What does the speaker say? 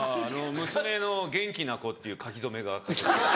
娘の「元気な子」っていう書き初めが飾ってあります。